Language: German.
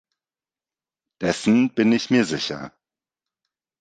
Dessen bin ich mir sicher.